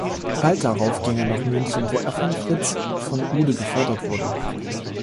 Bald darauf ging er nach München, wo er von Fritz von Uhde gefördert wurde.